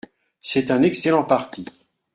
C’est un excellent parti.